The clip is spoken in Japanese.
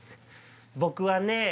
僕はね